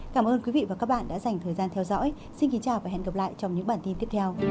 cảm ơn các bạn đã theo dõi và hẹn gặp lại